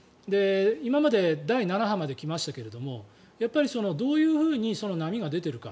今まで第７波まで来ましたがやっぱりどういうふうに波が出ているか。